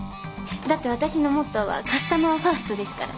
だって私のモットーはカスタマーファーストですから。